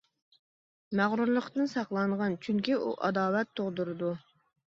مەغرۇرلۇقتىن ساقلانغىن، چۈنكى ئۇ ئاداۋەت تۇغدۇرىدۇ.